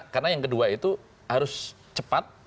karena yang kedua itu harus cepat